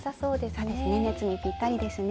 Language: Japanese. そうですね夏にぴったりですね。